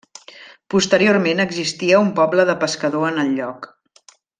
Posteriorment existia un poble de pescador en el lloc.